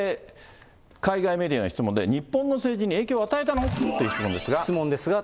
海外メディアの質問で、日本の政治に影響を与えたのって質問ですが。